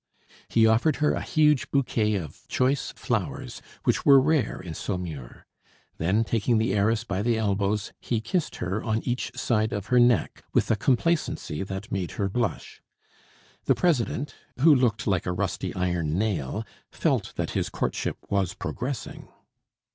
He offered her a huge bouquet of choice flowers which were rare in Saumur; then, taking the heiress by the elbows, he kissed her on each side of her neck with a complacency that made her blush. The president, who looked like a rusty iron nail, felt that his courtship was progressing.